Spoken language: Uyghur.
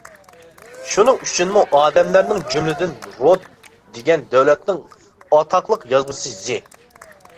شۇنىڭ ئۈچۈنمۇ ئادەملەرنىڭ جۈملىدىن رود دېگەن دۆلەتنىڭ ئاتاقلىق يازغۇچىسى ز.